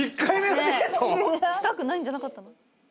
したくないんじゃなかったの？